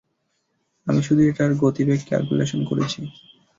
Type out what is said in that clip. আমি শুধু এটার গতিবেগ ক্যালকুলেশন করেছি।